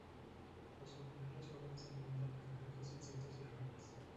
Los cocodrilos jóvenes se alimentan de cangrejos, insectos y ranas.